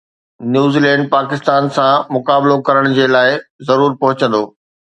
New Zealand Pakistan سان مقابلو ڪرڻ جي لاءِ ضرور پهچندو